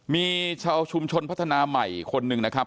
มีชาวชุมชนพัฒนาใหม่คนหนึ่งนะครับ